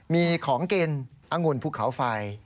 มีของกินอังุ่นภูเขาไฟ